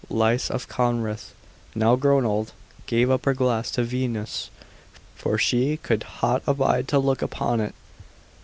Lais of Corinth, now grown old, gave up her glass to Venus, for she could hot abide to look upon it.